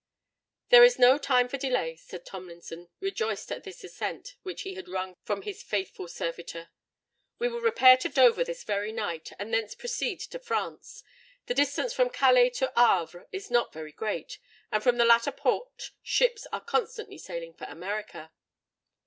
"There is no time for delay," said Tomlinson, rejoiced at this assent which he had wrung from his faithful servitor. "We will repair to Dover this very night, and thence proceed to France. The distance from Calais to Havre is not very great: and from the latter port ships are constantly sailing for America."